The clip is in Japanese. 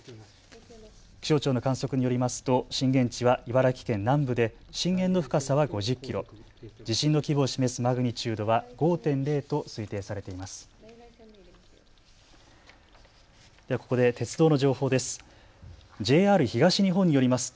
気象庁の観測によりますと震源地は茨城県南部で震源の深さは５０キロ、地震の規模を示すマグニチュードは５．０と推定されています。